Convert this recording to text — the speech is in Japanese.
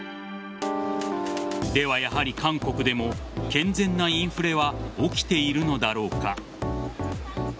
では、やはり韓国でも健全なインフレは起きているのだろうか。